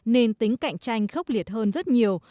nên tính cạnh tranh khốc liệt hơn rất nhiều